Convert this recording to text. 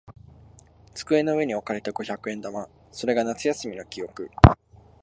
机の上に置かれた五百円玉。それが夏休みの記憶。